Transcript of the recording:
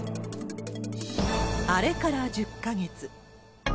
あれから１０か月。